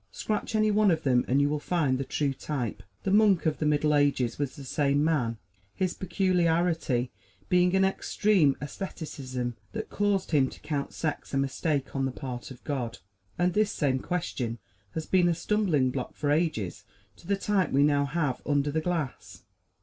Scratch any one of them and you will find the true type. The monk of the Middle Ages was the same man, his peculiarity being an extreme asceticism that caused him to count sex a mistake on the part of God. And this same question has been a stumbling block for ages to the type we now have under the glass.